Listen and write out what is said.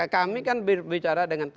kami kan bicara dengan